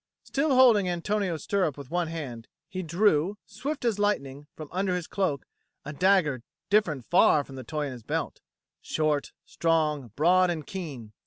Still holding Antonio's stirrup with one hand, he drew, swift as lightning, from under his cloak, a dagger different far from the toy in his belt short, strong, broad, and keen.